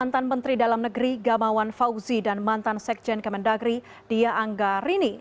mantan menteri dalam negeri gamawan fauzi dan mantan sekjen kemendagri dia angga rini